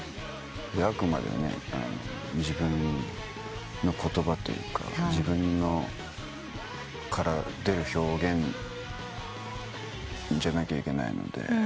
あくまで自分の言葉というか自分から出る表現じゃなきゃいけないので。